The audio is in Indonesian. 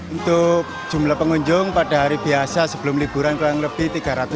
untuk jumlah pengunjung pada hari biasa sebelum liburan kurang lebih tiga ratus